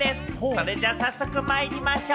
それじゃあ早速まいりましょう！